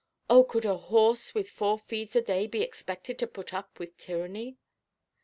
Oh, could a horse with four feeds a day be expected to put up with tyranny?